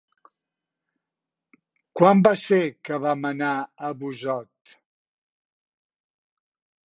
Quan va ser que vam anar a Busot?